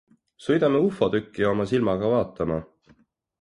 Sõidame ufo tükki oma silmaga vaatama.